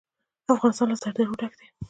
افغانستان له زردالو ډک دی.